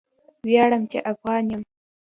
ویاړم چې افغان یم